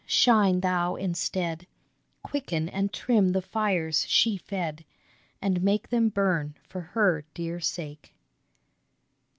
shine Thou instead, Quicken and trim the fires she fed, And make them burn for her dear sake.